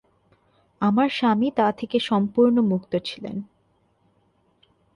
আমার স্বামী তা থেকে সম্পূর্ণ মুক্ত ছিলেন।